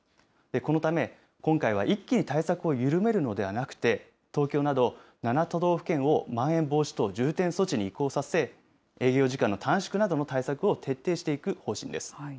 このため、今回は一気に対策を緩めるのではなくて、東京など７都道府県をまん延防止等重点措置に移行させ、営業時間の短縮などの対策を徹底していく方針です。